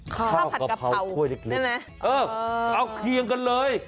ข้าวผัดกะพาร์วเอ้อเอาเคียงกันเลย